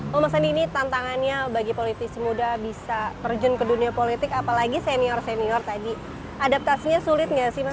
kalau mas andi ini tantangannya bagi politisi muda bisa terjun ke dunia politik apalagi senior senior tadi adaptasinya sulit nggak sih mas